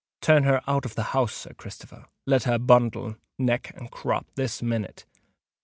Turn her out of the house, Sir Christopher—let her bundle, neck and crop, this minute!"